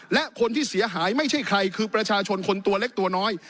และคนที่เสียหายไม่ใช่ใครคือประชาชนคนตัวเล็กตัวน้อย